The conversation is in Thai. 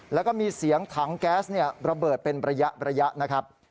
แล้วก็มีเสียงถังแก๊สระเบิดเป็นระยะนะครับ